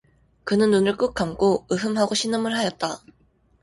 그는 눈을 꾹 감고 으흠 하고 신음을 하였다.